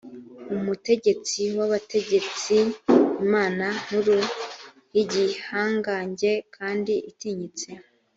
umutegetsi w’abategetsi, imana nkuru, y’igihangange kandi itinyitse,